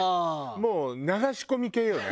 もう流し込み系よね。